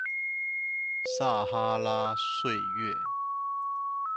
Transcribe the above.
撒哈拉歲月